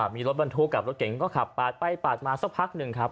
มีรถบรรทุกกับรถเก่งก็ขับปาดไปปาดมาสักพักหนึ่งครับ